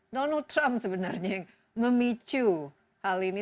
donald trump sebenarnya yang memicu hal ini